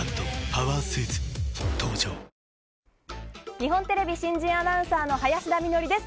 日本テレビ新人アナウンサーの林田美学です。